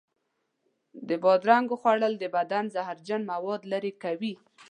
د بادرنګو خوړل د بدن زهرجن موادو لرې کوي.